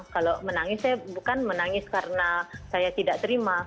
kalau menangis saya bukan menangis karena saya tidak terima